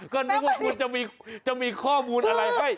ก็นึกว่าควรจะมีข้อมูลอะไรให้